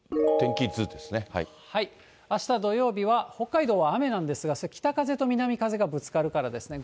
あした土曜日は、北海道は雨なんですが、北風と南風がぶつかるからですね。